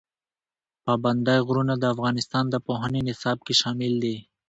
پابندی غرونه د افغانستان د پوهنې نصاب کې شامل دي.